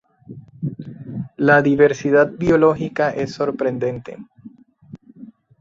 La diversidad biológica es sorprendente.